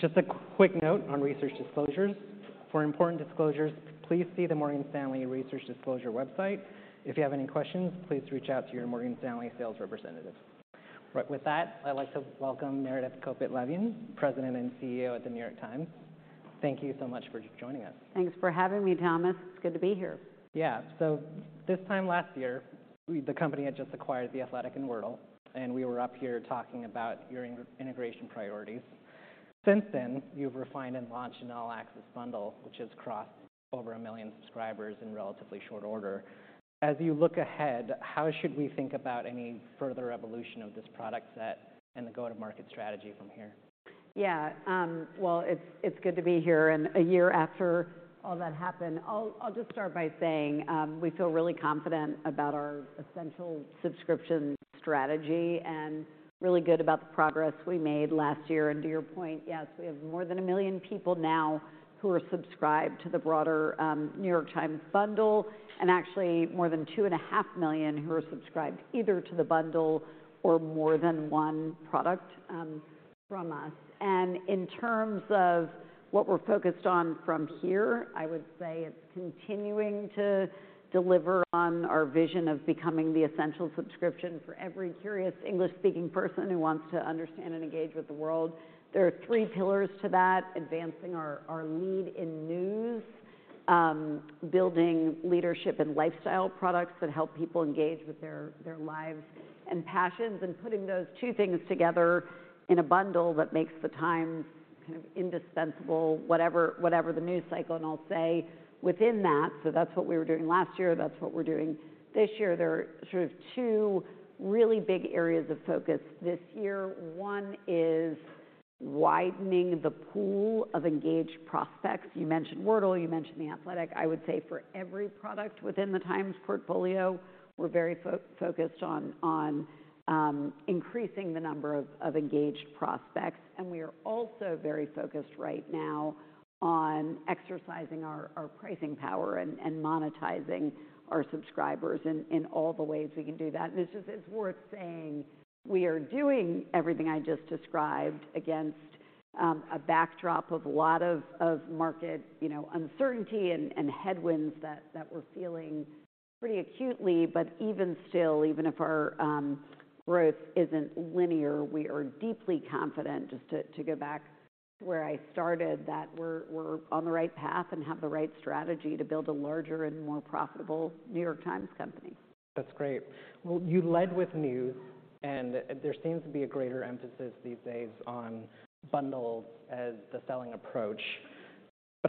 Just a quick note on research disclosures. For important disclosures, please see the Morgan Stanley Research Disclosure website. If you have any questions, please reach out to your Morgan Stanley sales representative. Right. With that, I'd like to welcome Meredith Kopit Levien, President and CEO at The New York Times. Thank you so much for joining us. Thanks for having me, Thomas. It's good to be here. Yeah. This time last year, The company had just acquired The Athletic and Wordle, and we were up here talking about your integration priorities. Since then, you've refined and launched an All Access, which has crossed over 1 million subscribers in relatively short order. As you look ahead, how should we think about any further evolution of this product set and the go-to-market strategy from here? Yeah. Well, it's good to be here and a year after all that happened. I'll just start by saying, we feel really confident about our essential subscription strategy and really good about the progress we made last year. To your point, yes, we have more than 1 million people now who are subscribed to the broader, The New York Times bundle, and actually more than 2.5 million who are subscribed either to the bundle or more than one product from us. In terms of what we're focused on from here, I would say it's continuing to deliver on our vision of becoming the essential subscription for every curious English-speaking person who wants to understand and engage with the world. There are three pillars to that: advancing our lead in news, building leadership and lifestyle products that help people engage with their lives and passions, and putting those two things together in a bundle that makes The Times kind of indispensable, whatever the news cycle. I'll say within that, so that's what we were doing last year, that's what we're doing this year, there are sort of two really big areas of focus this year. One is widening the pool of engaged prospects. You mentioned Wordle, you mentioned The Athletic. I would say for every product within The Times portfolio, we're very focused on increasing the number of engaged prospects. We are also very focused right now on exercising our pricing power and monetizing our subscribers in all the ways we can do that. It's just. It's worth saying we are doing everything I just described against a backdrop of a lot of market, you know, uncertainty and headwinds that we're feeling pretty acutely. Even still, even if our growth isn't linear, we are deeply confident, just to go back to where I started, that we're on the right path and have the right strategy to build a larger and more profitable New York Times Company. That's great. You led with news, and there seems to be a greater emphasis these days on bundles as the selling approach.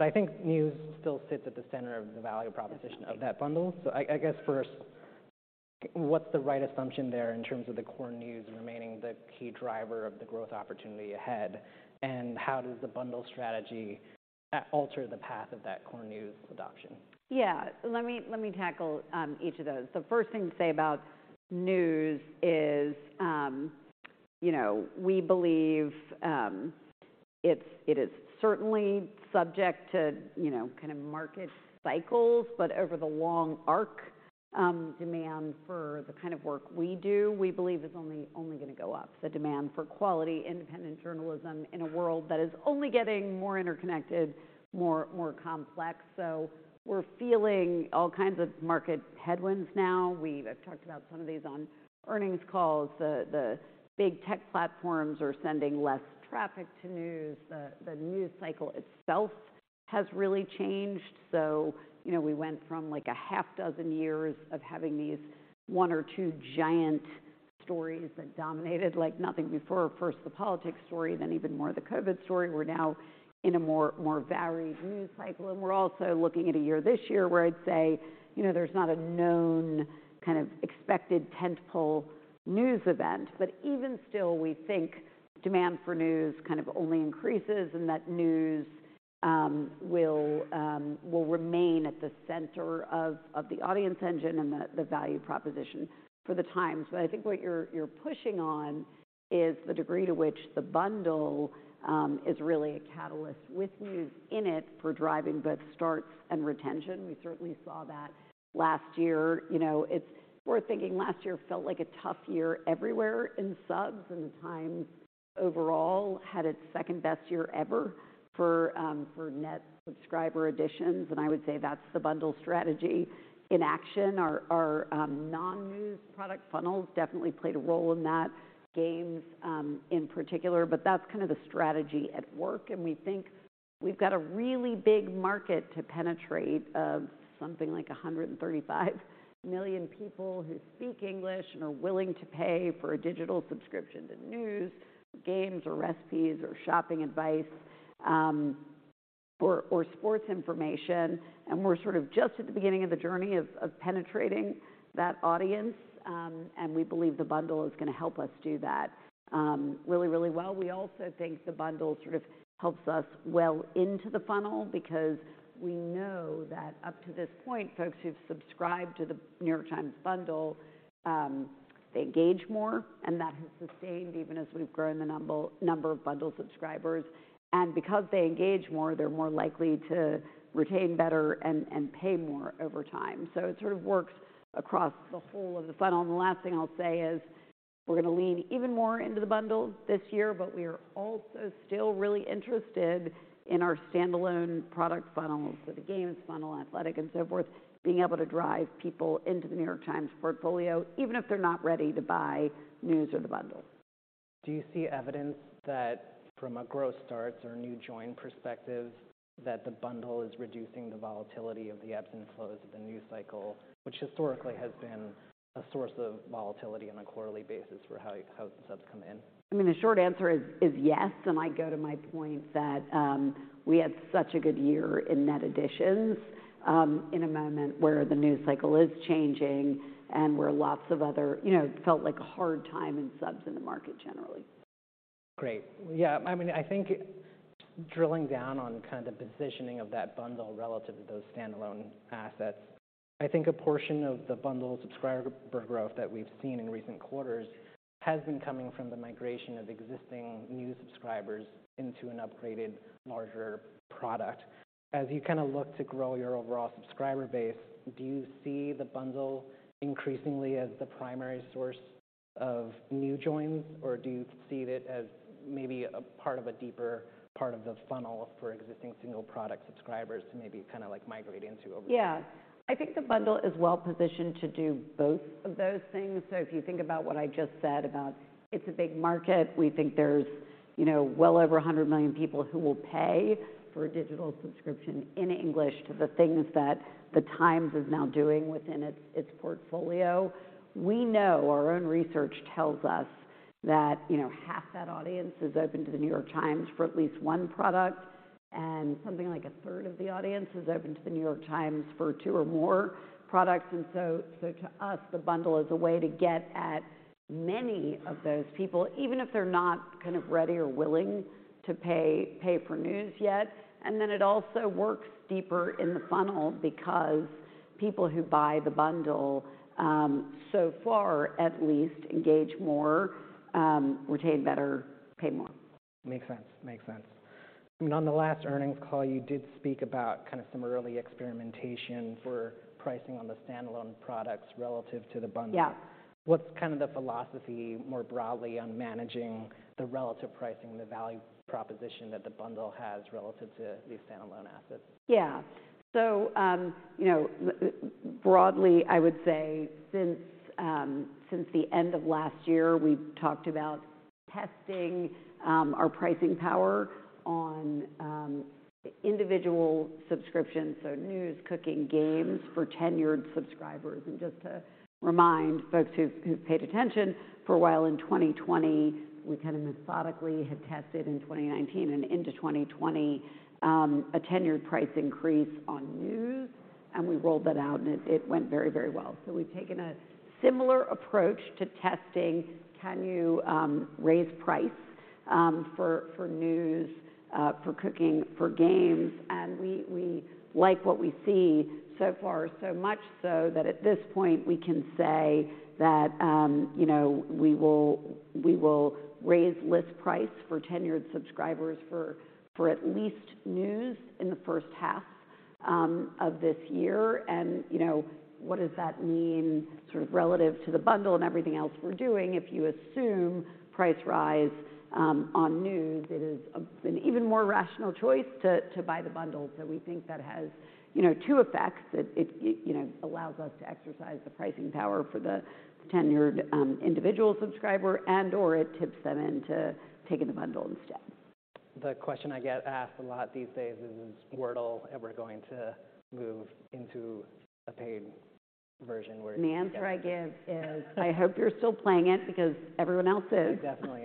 I think news still sits at the center of the value proposition of that bundle. I guess first, what's the right assumption there in terms of the core news remaining the key driver of the growth opportunity ahead? How does the bundle strategy alter the path of that core news adoption? Yeah. Let me tackle each of those. The first thing to say about news is, you know, we believe it is certainly subject to, you know, kind of market cycles. Over the long arc, demand for the kind of work we do, we believe is only gonna go up. The demand for quality, independent journalism in a world that is only getting more interconnected, more complex. We're feeling all kinds of market headwinds now. I've talked about some of these on earnings calls. The big tech platforms are sending less traffic to news. The news cycle itself has really changed. You know, we went from like a half dozen years of having these one or two giant stories that dominated like nothing before. First the politics story, then even more the COVID story. We're now in a more varied news cycle, we're also looking at a year this year where I'd say, you know, there's not a known kind of expected tentpole news event. Even still, we think demand for news kind of only increases and that news will remain at the center of the audience engine and the value proposition for The New York Times. I think what you're pushing on is the degree to which the bundle is really a catalyst with news in it for driving both starts and retention. We certainly saw that last year. You know, it's worth thinking last year felt like a tough year everywhere in subs, and The New York Times overall had its second-best year ever for net subscriber additions, and I would say that's the bundle strategy in action. Our non-news product funnels definitely played a role in that, games in particular. That's kind of the strategy at work. We think we've got a really big market to penetrate of something like 135 million people who speak English and are willing to pay for a digital subscription to news, games or recipes or shopping advice, or sports information. We're sort of just at the beginning of the journey of penetrating that audience. We believe the bundle is gonna help us do that really, really well. We also think the bundle sort of helps us well into the funnel because we know that up to this point, folks who've subscribed to The New York Times bundle, they engage more, and that has sustained even as we've grown the number of bundle subscribers. Because they engage more, they're more likely to retain better and pay more over time. It sort of works across the whole of the funnel. The last thing I'll say is. We're gonna lean even more into the bundle this year, but we are also still really interested in our standalone product funnels, so the games funnel, The Athletic, and so forth, being able to drive people into The New York Times portfolio, even if they're not ready to buy news or the bundle. Do you see evidence that from a growth starts or new join perspective, that the bundle is reducing the volatility of the ebbs and flows of the news cycle, which historically has been a source of volatility on a quarterly basis for how subs come in? I mean, the short answer is yes, and I go to my point that, we had such a good year in net additions, in a moment where the news cycle is changing and where lots of other... You know, it felt like a hard time in subs in the market generally. Great. Yeah, I mean, I think drilling down on kinda the positioning of that bundle relative to those standalone assets, I think a portion of the bundle subscriber growth that we've seen in recent quarters has been coming from the migration of existing news subscribers into an upgraded larger product. As you kinda look to grow your overall subscriber base, do you see the bundle increasingly as the primary source of new joins, or do you see it as maybe a part of a deeper part of the funnel for existing single product subscribers to maybe kinda like migrate into over time? Yeah. I think the bundle is well-positioned to do both of those things. If you think about what I just said about it's a big market, we think there's, you know, well over 100 million people who will pay for a digital subscription in English to the things that The Times is now doing within its portfolio. We know, our own research tells us that, you know, half that audience is open to The New York Times for at least one product, and something like a third of the audience is open to The New York Times for two or more products. So to us, the bundle is a way to get at many of those people, even if they're not kind of ready or willing to pay for news yet. It also works deeper in the funnel because people who buy the bundle, so far at least engage more, retain better, pay more. Makes sense. I mean, on the last earnings call, you did speak about kind of some early experimentation for pricing on the standalone products relative to the bundle. Yeah. What's kind of the philosophy more broadly on managing the relative pricing and the value proposition that the bundle has relative to these standalone assets? Yeah. you know, broadly, I would say since the end of last year, we've talked about testing, our pricing power on, individual subscriptions, so news, cooking, games for tenured subscribers. Just to remind folks who've paid attention for a while, in 2020, we kinda methodically had tested in 2019 and into 2020, a tenured price increase on news, and we rolled that out and it went very, very well. We've taken a similar approach to testing, can you raise price for news, for cooking, for games? We like what we see so far, so much so that at this point we can say that, you know, we will raise list price for tenured subscribers for at least news in the first half of this year. You know, what does that mean sort of relative to the bundle and everything else we're doing? If you assume price rise on news, it is an even more rational choice to buy the bundle. We think that has, you know, two effects, that it, you know, allows us to exercise the pricing power for the tenured individual subscriber and/or it tips them into taking the bundle instead. The question I get asked a lot these days is Wordle ever going to move into a paid version where-? The answer I give is I hope you're still playing it because everyone else is. Definitely.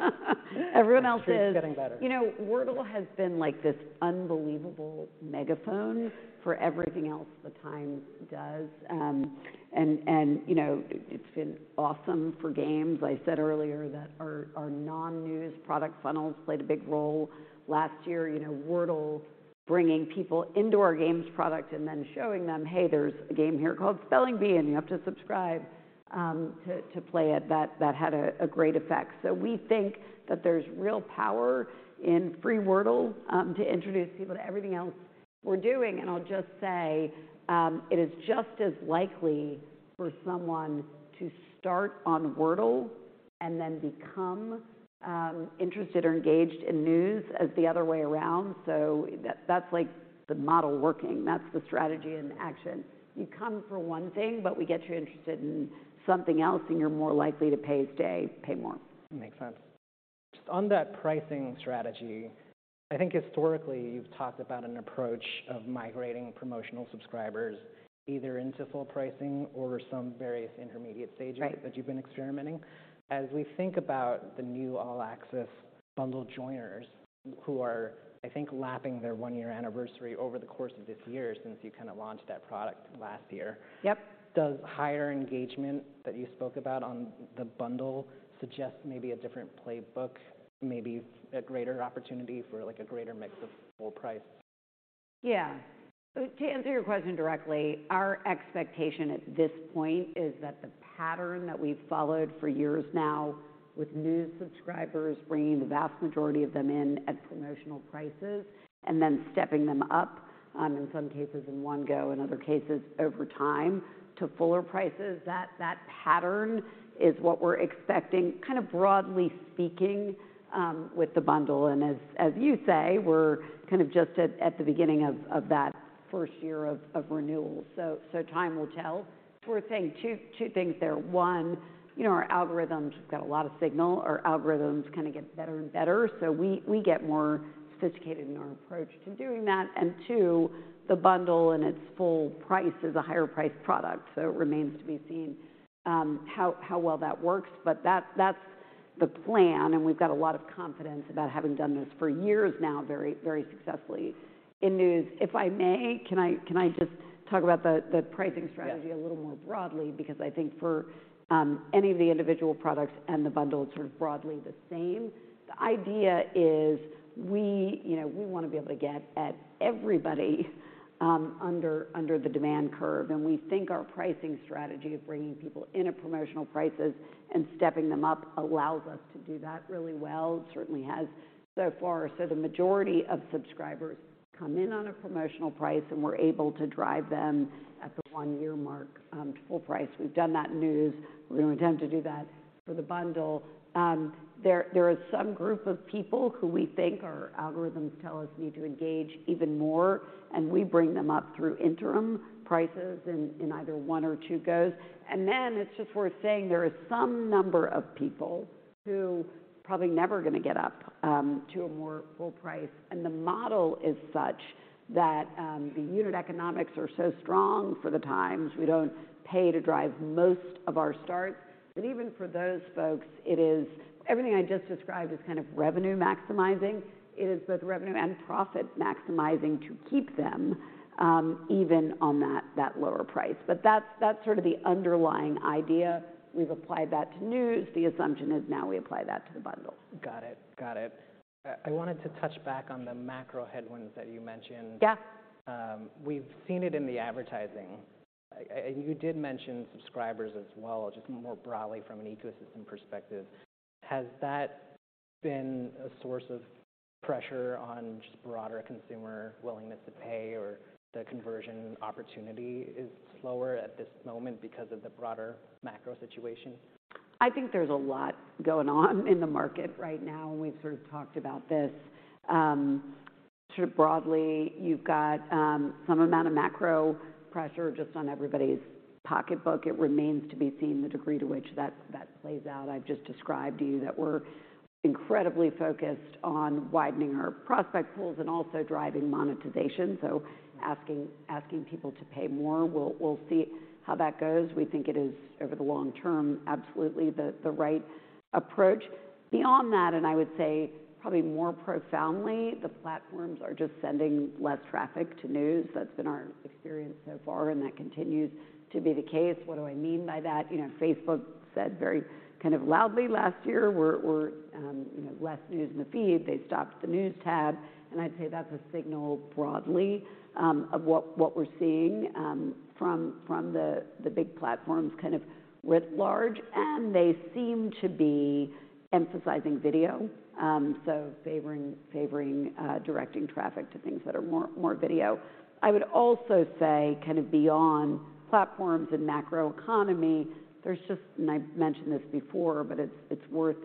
Everyone else is. The streak's getting better. You know, Wordle has been like this unbelievable megaphone for everything else The Times does. You know, it's been awesome for games. I said earlier that our non-news product funnels played a big role last year. You know, Wordle bringing people into our games product and then showing them, "Hey, there's a game here called Spelling Bee, and you have to subscribe to play it," that had a great effect. We think that there's real power in free Wordle to introduce people to everything else we're doing. I'll just say, it is just as likely for someone to start on Wordle and then become interested or engaged in news as the other way around. That's like the model working. That's the strategy in action. You come for one thing, but we get you interested in something else, and you're more likely to pay, stay, pay more. Makes sense. On that pricing strategy, I think historically you've talked about an approach of migrating promotional subscribers either into full pricing or some various intermediate stages. Right That you've been experimenting. As we think about the new All Access bundle joiners who are, I think, lapping their one-year anniversary over the course of this year since you kinda launched that product last year. Yep Does higher engagement that you spoke about on the bundle suggest maybe a different playbook, maybe a greater opportunity for like a greater mix of full price? Yeah. To answer your question directly, our expectation at this point is that the pattern that we've followed for years now with news subscribers bringing the vast majority of them in at promotional prices and then stepping them up, in some cases in one go, in other cases over time to fuller prices. That pattern is what we're expecting, kind of broadly speaking, with the bundle. As you say, we're kind of just at the beginning of that first year of renewal. Time will tell. We're saying two things there. On, you know, our algorithms have got a lot of signal. Our algorithms kind of get better and better, so we get more sophisticated in our approach to doing that. Two, the bundle and its full price is a higher priced product, so it remains to be seen, how well that works. That's the plan, and we've got a lot of confidence about having done this for years now very, very successfully in news. If I may, can I just talk about the pricing strategy. Yeah A ittle more broadly? Because I think for any of the individual products and the bundle, it's sort of broadly the same. The idea is we, you know, we wanna be able to get at everybody, under the demand curve, and we think our pricing strategy of bringing people in at promotional prices and stepping them up allows us to do that really well. It certainly has so far. The majority of subscribers come in on a promotional price, and we're able to drive them at the 1-year mark to full price. We've done that in news. We intend to do that for the bundle. There is some group of people who we think our algorithms tell us need to engage even more, and we bring them up through interim prices in either one or two goes. It's just worth saying there is some number of people who probably never gonna get up to a more full price. The model is such that the unit economics are so strong for The Times, we don't pay to drive most of our starts. Even for those folks, it is. Everything I just described is kind of revenue maximizing. It is both revenue and profit maximizing to keep them even on that lower price. That's sort of the underlying idea. We've applied that to news. The assumption is now we apply that to the bundle. Got it. I wanted to touch back on the macro headwinds that you mentioned. Yeah. We've seen it in the advertising. You did mention subscribers as well, just more broadly from an ecosystem perspective. Has that been a source of pressure on just broader consumer willingness to pay, or the conversion opportunity is slower at this moment because of the broader macro situation? I think there's a lot going on in the market right now, and we've sort of talked about this. Sort of broadly, you've got some amount of macro pressure just on everybody's pocketbook. It remains to be seen the degree to which that plays out. I've just described to you that we're incredibly focused on widening our prospect pools and also driving monetization, so asking people to pay more. We'll see how that goes. We think it is, over the long term, absolutely the right approach. Beyond that, and I would say probably more profoundly, the platforms are just sending less traffic to news. That's been our experience so far, and that continues to be the case. What do I mean by that? You know, Facebook said very kind of loudly last year, we're, you know, less news in the feed. They stopped the News tab. I'd say that's a signal broadly of what we're seeing from the big platforms kind of writ large. They seem to be emphasizing video, favoring directing traffic to things that are more video. I would also say kind of beyond platforms and macroeconomy, I've mentioned this before, but it's worth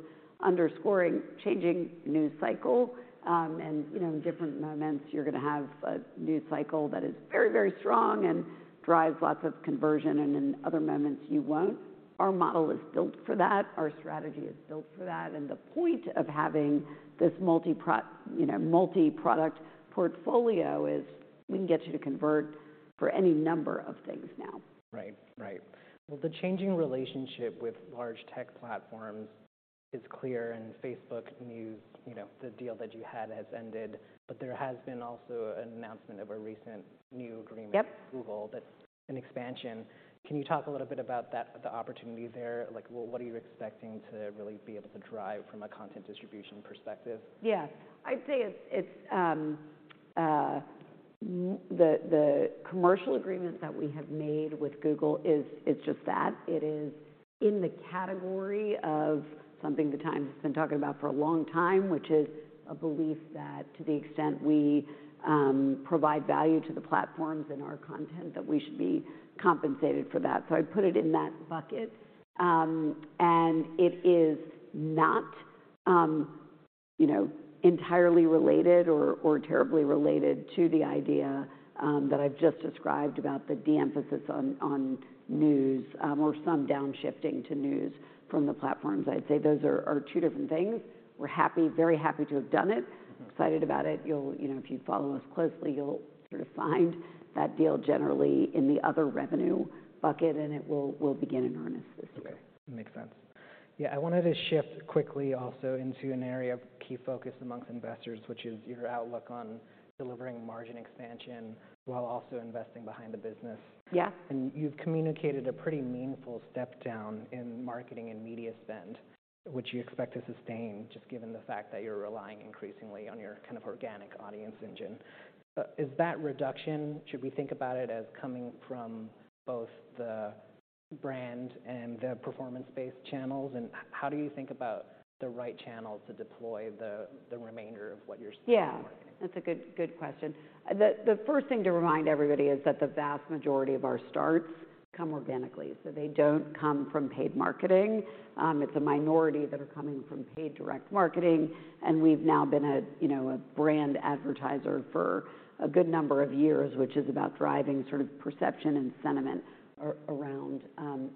underscoring, changing news cycle. You know, in different moments you're gonna have a news cycle that is very strong and drives lots of conversion, and in other moments you won't. Our model is built for that. Our strategy is built for that. The point of having this you know, multi-product portfolio is we can get you to convert for any number of things now. Right. Well, the changing relationship with large tech platforms is clear, and Facebook News, you know, the deal that you had has ended. There has been also an announcement of a recent new agreement. Yep With Google that's an expansion. Can you talk a little bit about that, the opportunity there? Like, what are you expecting to really be able to drive from a content distribution perspective? Yeah. I'd say it's the commercial agreement that we have made with Google is, it's just that. It is in the category of something the Times has been talking about for a long time, which is a belief that to the extent we provide value to the platforms in our content, that we should be compensated for that. I'd put it in that bucket. It is not, you know, entirely related or terribly related to the idea that I've just described about the de-emphasis on news or some downshifting to news from the platforms. I'd say those are two different things. We're happy, very happy to have done it. Mm-hmm. Excited about it. You know, if you follow us closely, you'll sort of find that deal generally in the other revenue bucket, and it will begin in earnest this year. Okay. Makes sense. I wanted to shift quickly also into an area of key focus amongst investors, which is your outlook on delivering margin expansion while also investing behind the business. Yeah. You've communicated a pretty meaningful step-down in marketing and media spend, which you expect to sustain, just given the fact that you're relying increasingly on your kind of organic audience engine. Is that reduction, should we think about it as coming from both the Brand and the performance-based channels, and how do you think about the right channels to deploy the remainder of what you're spending on marketing? Yeah, that's a good question. The first thing to remind everybody is that the vast majority of our starts come organically, so they don't come from paid marketing. It's a minority that are coming from paid direct marketing, and we've now been a, you know, a brand advertiser for a good number of years, which is about driving sort of perception and sentiment around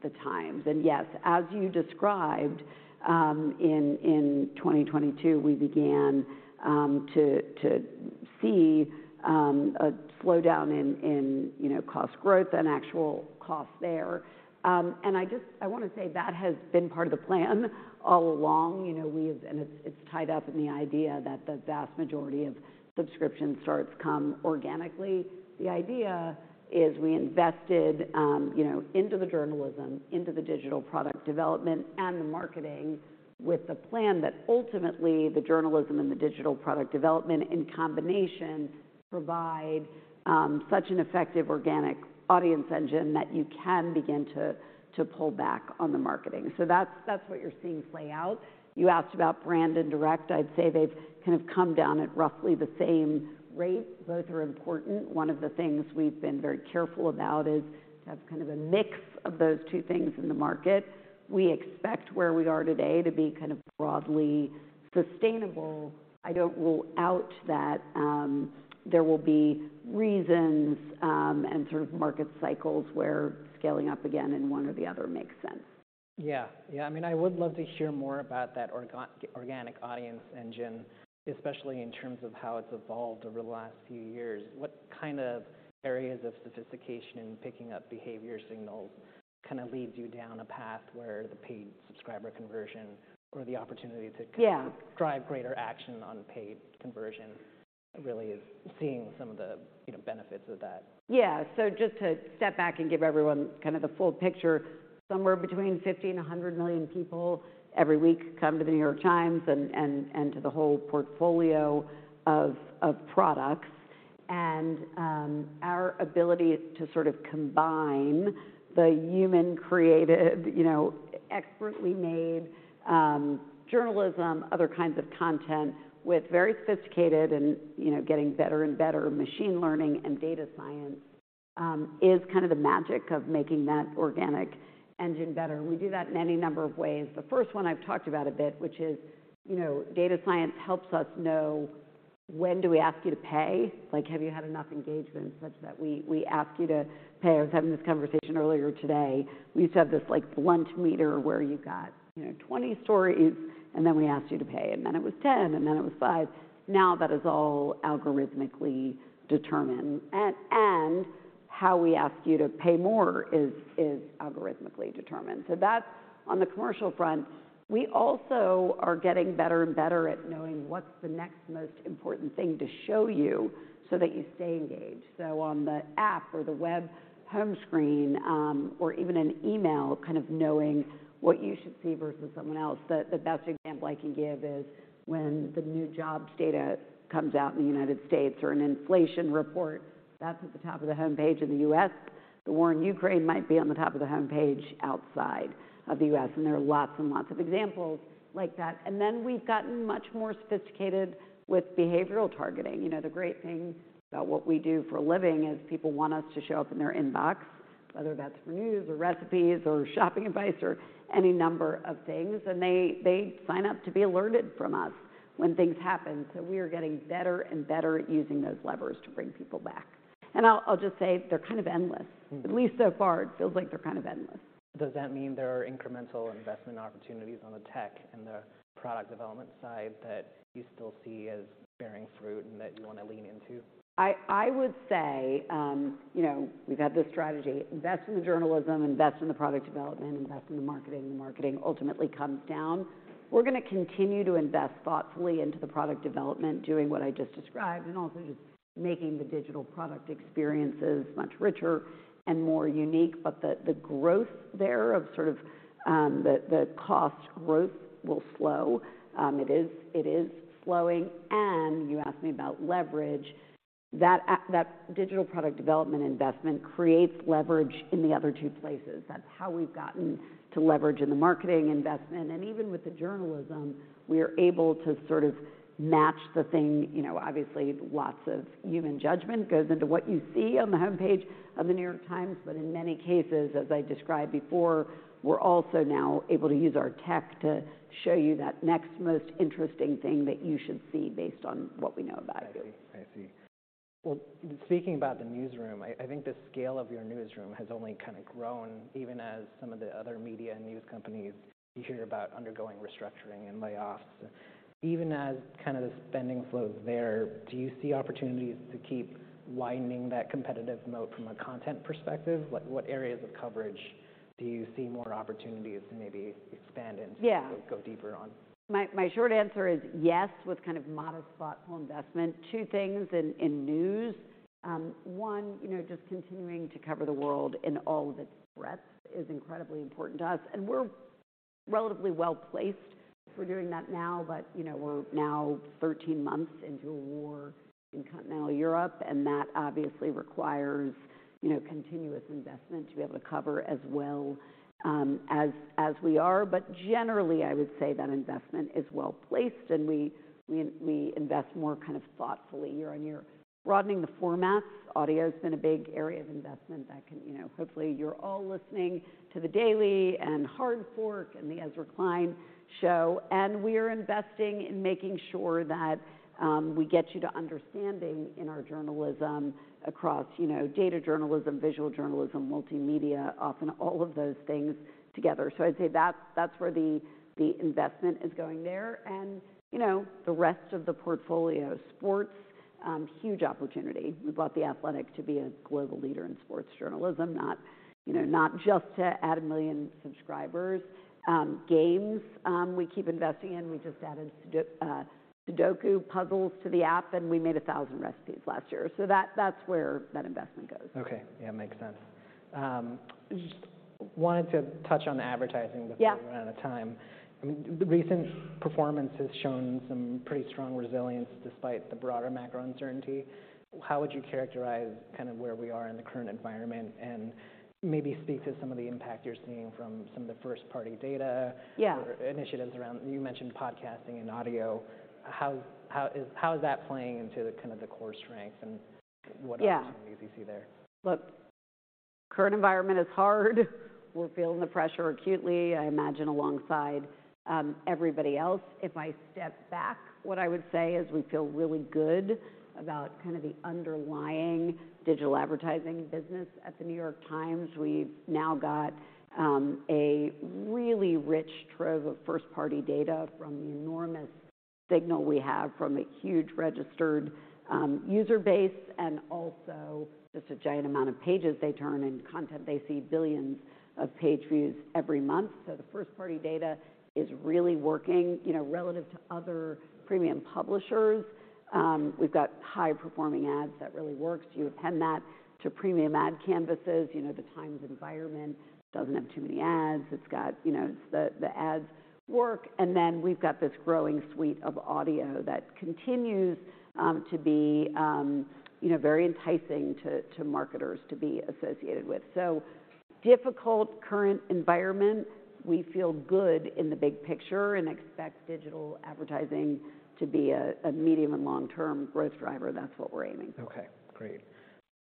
The Times. Yes, as you described, in 2022 we began to see a slowdown in, you know, cost growth and actual cost there. I wanna say that has been part of the plan all along. You know, we have. It's tied up in the idea that the vast majority of subscription starts come organically. The idea is we invested, you know, into the journalism, into the digital product development and the marketing with the plan that ultimately the journalism and the digital product development in combination provide such an effective organic audience engine that you can begin to pull back on the marketing. That's what you're seeing play out. You asked about brand and direct. I'd say they've kind of come down at roughly the same rate. Both are important. One of the things we've been very careful about is to have kind of a mix of those two things in the market. We expect where we are today to be kind of broadly sustainable. I don't rule out that there will be reasons and sort of market cycles where scaling up again in one or the other makes sense. Yeah. Yeah, I mean, I would love to hear more about that organic audience engine, especially in terms of how it's evolved over the last few years. What kind of areas of sophistication in picking up behavior signals kind of leads you down a path where the paid subscriber conversion or the opportunity to. Yeah Drive greater action on paid conversion really is seeing some of the, you know, benefits of that. Yeah. Just to step back and give everyone kind of the full picture, somewhere between 50 and 100 million people every week come to The New York Times and to the whole portfolio of products. Our ability to sort of combine the human created, you know, expertly made journalism, other kinds of content with very sophisticated and, you know, getting better and better machine learning and data science is kind of the magic of making that organic engine better. We do that in any number of ways. The first one I've talked about a bit, which is, you know, data science helps us know when do we ask you to pay. Like, have you had enough engagement such that we ask you to pay? I was having this conversation earlier today. We used to have this, like, blunt meter where you got, you know, 20 stories and then we asked you to pay, and then it was 10, and then it was 5. Now that is all algorithmically determined. How we ask you to pay more is algorithmically determined. That's on the commercial front. We also are getting better and better at knowing what's the next most important thing to show you so that you stay engaged. On the app or the web home screen, or even an email, kind of knowing what you should see versus someone else. The best example I can give is when the new jobs data comes out in the United States or an inflation report, that's at the top of the homepage in the U.S. The war in Ukraine might be on the top of the homepage outside of the U.S. There are lots and lots of examples like that. We've gotten much more sophisticated with behavioral targeting. You know, the great thing about what we do for a living is people want us to show up in their inbox, whether that's for news or recipes or shopping advice or any number of things, and they sign up to be alerted from us when things happen. We are getting better and better at using those levers to bring people back. I'll just say they're kind of endless. Mm. At least so far, it feels like they're kind of endless. Does that mean there are incremental investment opportunities on the tech and the product development side that you still see as bearing fruit and that you wanna lean into? I would say, you know, we've had this strategy, invest in the journalism, invest in the product development, invest in the marketing. The marketing ultimately comes down. We're gonna continue to invest thoughtfully into the product development, doing what I just described, and also just making the digital product experiences much richer and more unique. The growth there of sort of the cost growth will slow. It is slowing, and you asked me about leverage. That digital product development investment creates leverage in the other two places. That's how we've gotten to leverage in the marketing investment. Even with the journalism, we are able to sort of match the thing. You know, obviously lots of human judgment goes into what you see on the homepage of The New York Times, but in many cases, as I described before, we're also now able to use our tech to show you that next most interesting thing that you should see based on what we know about you. I see. I see. Well, speaking about the newsroom, I think the scale of your newsroom has only kind of grown even as some of the other media and news companies you hear about undergoing restructuring and layoffs. Even as kind of the spending slows there, do you see opportunities to keep widening that competitive moat from a content perspective? Like, what areas of coverage do you see more opportunities to maybe expand into. Yeah Or go deeper on? My short answer is yes, with kind of modest thoughtful investment. Two things in news. One, you know, just continuing to cover the world in all of its breadth is incredibly important to us, and we're relatively well-placed. We're doing that now, you know, we're now 13 months into a war in continental Europe, and that obviously requires, you know, continuous investment to be able to cover as well as we are. Generally, I would say that investment is well-placed, and we invest more kind of thoughtfully year on year. Broadening the formats. Audio's been a big area of investment that can, you know. Hopefully, you're all listening to The Daily and Hard Fork and The Ezra Klein Show. We're investing in making sure that we get you to understanding in our journalism across, you know, data journalism, visual journalism, multimedia, often all of those things together. I'd say that's where the investment is going there and, you know, the rest of the portfolio. Sports, huge opportunity. We bought The Athletic to be a global leader in sports journalism, not, you know, not just to add 1 million subscribers. Games, we keep investing in. We just added Sudoku puzzles to the app, and we made 1,000 recipes last year. That, that's where that investment goes. Okay. Yeah, makes sense. Just wanted to touch on the advertising. Yeah Before we run out of time. I mean, the recent performance has shown some pretty strong resilience despite the broader macro uncertainty. How would you characterize kind of where we are in the current environment? Maybe speak to some of the impact you're seeing from some of the first-party data. Yeah Or initiatives around, you mentioned podcasting and audio. How is that playing into the kind of the core strengths, and what? Yeah Opportunities you see there? Look, current environment is hard. We're feeling the pressure acutely, I imagine alongside everybody else. If I step back, what I would say is we feel really good about kind of the underlying digital advertising business at The New York Times. We've now got a really rich trove of first-party data from the enormous signal we have from a huge registered user base, and also just a giant amount of pages they turn and content they see, billions of page views every month. The first-party data is really working. You know, relative to other premium publishers, we've got high-performing ads that really works. You append that to premium ad canvases. You know, The Times environment doesn't have too many ads. You know, it's the ads work. Then we've got this growing suite of audio that continues to be, you know, very enticing to marketers to be associated with. Difficult current environment. We feel good in the big picture and expect digital advertising to be a medium and long-term growth driver. That's what we're aiming for. Okay, great.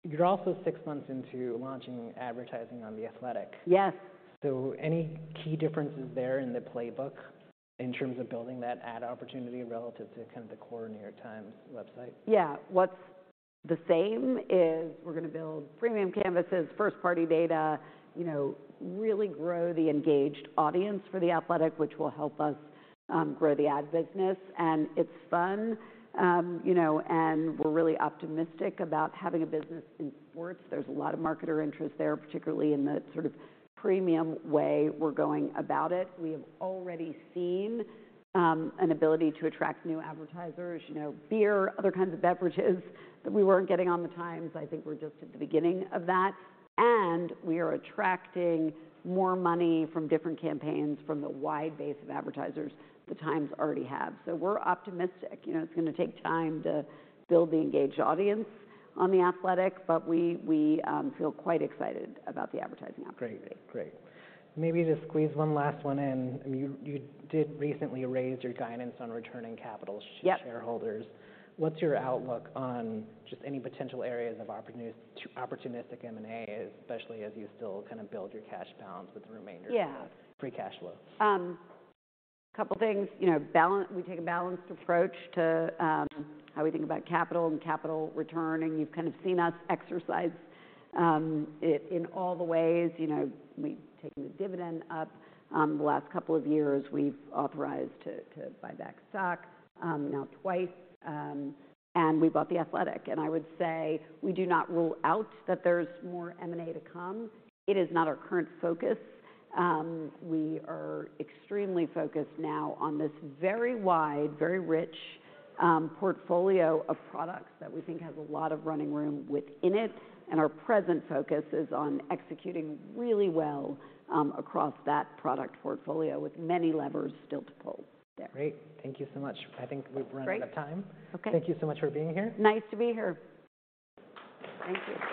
You're also six months into launching advertising on The Athletic. Yes. Any key differences there in the playbook in terms of building that ad opportunity relative to kind of the core New York Times website? Yeah. What's the same is we're gonna build premium canvases, first-party data, you know, really grow the engaged audience for The Athletic, which will help us grow the ad business. It's fun, you know, and we're really optimistic about having a business in sports. There's a lot of marketer interest there, particularly in the sort of premium way we're going about it. We have already seen an ability to attract new advertisers, you know, beer, other kinds of beverages that we weren't getting on The Times. I think we're just at the beginning of that. We are attracting more money from different campaigns from the wide base of advertisers The Times already have. We're optimistic. You know, it's gonna take time to build the engaged audience on The Athletic, but we feel quite excited about the advertising opportunity. Great. Great. Maybe just squeeze one last one in. I mean, you did recently raise your guidance on returning capital. Yep Shareholders. What's your outlook on just any potential areas of opportunistic M&A, especially as you still kind of build your cash balance? Yeah Of free cash flow? Couple things. You know, balance... We take a balanced approach to, how we think about capital and capital return. You've kind of seen us exercise, it in all the ways. You know, we've taken the dividend up, the last couple of years. We've authorized to buy back stock, now twice. We bought The Athletic. I would say we do not rule out that there's more M&A to come. It is not our current focus. We are extremely focused now on this very wide, very rich, portfolio of products that we think has a lot of running room within it, and our present focus is on executing really well, across that product portfolio with many levers still to pull there. Great. Thank you so much. I think we've. Great out of time. Okay. Thank you so much for being here. Nice to be here. Thank you.